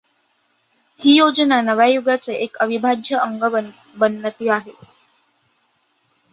ही योजना नव्या युगाचे एक अविभाज्य अंग बनंती आहे.